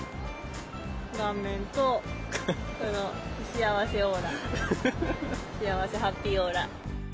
顔面とこの幸せオーラ、幸せハッピーオーラ。